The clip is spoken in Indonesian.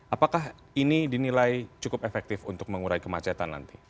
apakah ini dinilai cukup efektif untuk mengurai kemacetan nanti